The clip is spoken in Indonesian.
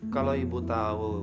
kalau ibu tahu